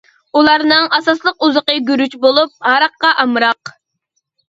ئۇلارنىڭ ئاساسلىق ئوزۇقى گۈرۈچ بولۇپ، ھاراققا ئامراق.